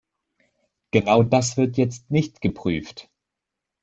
Genau das wird jetzt nicht geprüft.